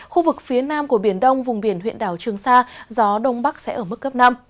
khu vực phía nam của biển đông vùng biển huyện đảo trường sa gió đông bắc sẽ ở mức cấp năm